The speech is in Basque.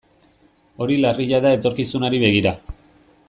Hori larria da etorkizunari begira.